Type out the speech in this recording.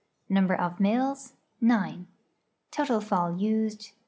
Number of mills. Total fall used.